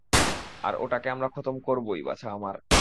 আর ওটাকে আমরা খতম করবোই, বাছা আমার।